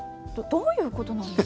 どういうことなんです？